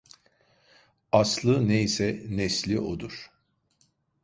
Aslı neyse nesli odur.